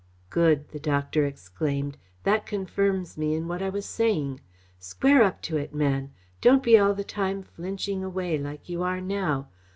"Good!" the doctor exclaimed. "That confirms me in what I was saying. Square up to it, man! Don't be all the time flinching away, like you are now.